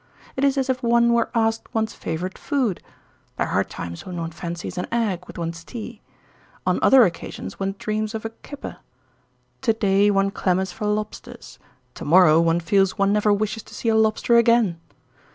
It is as if one were asked one's favourite food. There are times when one fancies an egg with one's tea. On other occasions one dreams of a kipper. To day one clamours for lobsters. To morrow one feels one never wishes to see a lobster again.